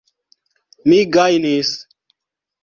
Mi gajnis!